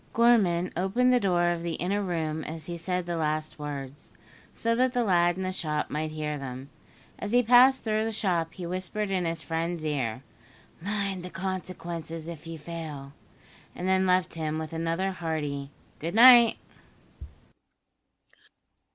Gorman opened the door of the inner room as he said the last words, so that the lad in the shop might hear them. As he passed through the shop he whispered in his friend's ear, "Mind the consequences if you fail," and then left him with another hearty good night.